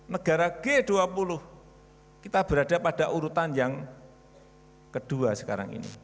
negara g dua puluh kita berada pada urutan yang kedua sekarang ini